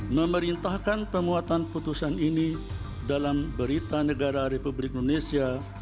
memerintahkan pemuatan putusan ini dalam berita negara republik indonesia